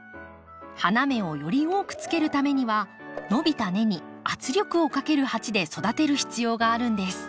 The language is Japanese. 花芽をより多くつけるためには伸びた根に圧力をかける鉢で育てる必要があるんです。